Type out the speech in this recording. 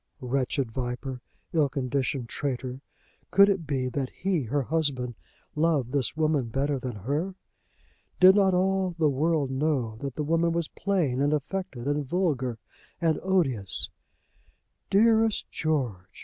Wretched viper; ill conditioned traitor! Could it be that he, her husband, loved this woman better than her? Did not all the world know that the woman was plain and affected, and vulgar, and odious? "Dearest George!"